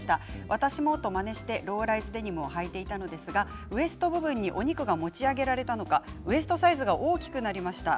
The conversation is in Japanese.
私もまねしてローライズデニムをはいていたのですがウエスト部分にお肉が持ち上げられたのかウエストサイズが大きくなりました。